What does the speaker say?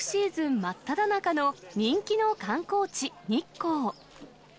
真っただ中の人気の観光地、日光。